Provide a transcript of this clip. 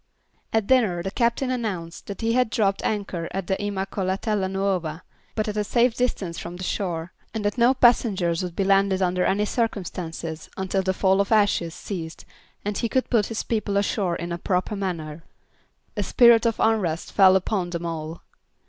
At dinner the captain announced that he had dropped anchor at the Immacollatella Nuova, but at a safe distance from the shore, and that no passengers would be landed under any circumstances until the fall of ashes ceased and he could put his people ashore in a proper manner. A spirit of unrest fell upon them all.